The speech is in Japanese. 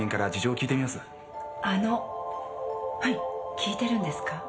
聞いてるんですか？